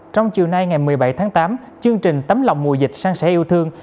trong chiều nay ngày một mươi bảy tháng tám chương trình tấm lòng mùa dịch sang sẻ yêu thương